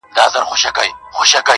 ذوالقرنين باچا